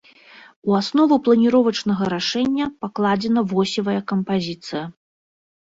У аснову планіровачнага рашэння пакладзена восевая кампазіцыя.